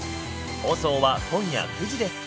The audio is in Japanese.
放送は今夜９時です。